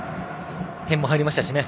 点も入りましたしね。